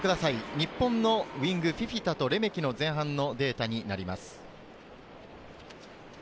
日本のウイング、フィフィタとレメキの前半のデータになります。